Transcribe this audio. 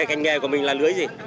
cành nghề của mình là lưới gì